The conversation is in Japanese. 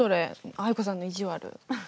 藍子さんの意地悪。